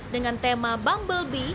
dengan tema bumblebee